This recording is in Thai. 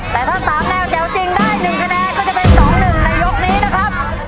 แต่ถ้า๓แนวแถวจริงได้๑คะแนนก็จะเป็น๒๑ในยกนี้นะครับ